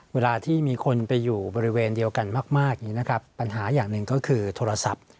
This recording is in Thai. เวลาที่มีคนไปอยู่บริเวณเดียวกันมากปัญหาอย่างหนึ่งก็คือโทรศัพท์